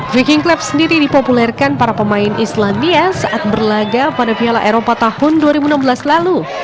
viking club sendiri dipopulerkan para pemain islandia saat berlaga pada piala eropa tahun dua ribu enam belas lalu